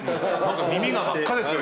耳が真っ赤ですよ